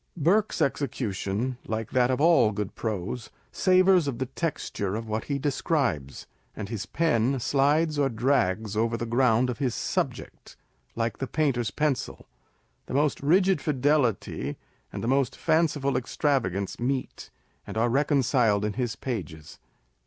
Burke's execution, like that of all good prose, savours of the texture of what he describes, and his pen slides or drags over the ground of his subject, like the painter's pencil. The most rigid fidelity and the most fanciful extravagance meet, and are reconciled in his pages.